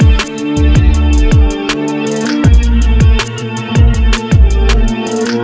isi yang yang ini kan